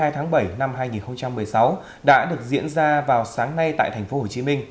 hai mươi tháng bảy năm hai nghìn một mươi sáu đã được diễn ra vào sáng nay tại tp hcm